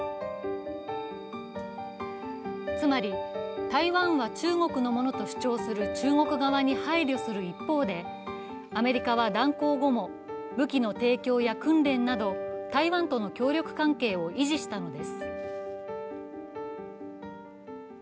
つまり、台湾は中国のものと主張する中国側に配慮する一方で、アメリカは断行後も武器の提供や訓練など台湾との協力関係を維持したのです。